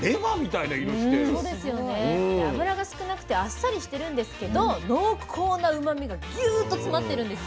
で脂が少なくてあっさりしてるんですけど濃厚なうまみがギューッと詰まってるんです。